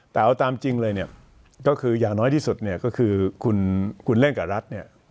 แต่เอาตามจริงเลยก็คือย่างน้อยที่สุดก็คือคุณเล่นกับรัฐ